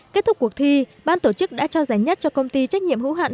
kết thúc cuộc thi ban tổ chức đã trao giải nhất cho công ty trách nhiệm hữu hạn